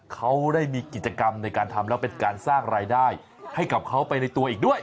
เขาได้มีกิจกรรมในการทำแล้วเป็นการสร้างรายได้ให้กับเขาไปในตัวอีกด้วย